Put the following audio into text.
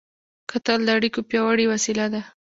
کتل د اړیکو پیاوړې وسیله ده